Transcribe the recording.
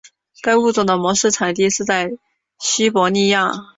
该物种的模式产地在西伯利亚。